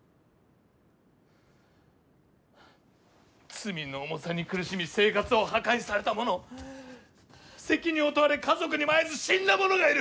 罪の重さに苦しみ生活を破壊された者責任を問われ家族にも会えずに死んだ者がいる！